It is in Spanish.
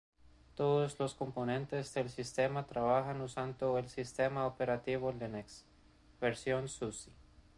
Todos los componentes del sistema trabajan usando el sistema operativo Linux, versión SuSe.